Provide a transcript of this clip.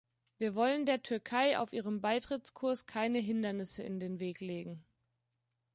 Wir wollen der Türkei auf ihrem Beitrittskurs keine Hindernisse in den Weg legen.